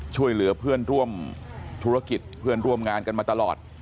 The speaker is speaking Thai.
ช่วยเหลือเพื่อนร่วมธุรกิจเพื่อนร่วมงานกันมาตลอด